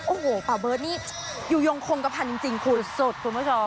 โอ้โหป่าเบิร์ตนี่อยู่ยงคงกระพันธ์จริงขูดคุณผู้ชม